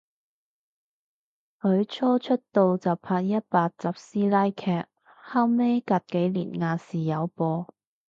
佢初出道就拍一百集師奶劇，後尾隔幾年亞視有播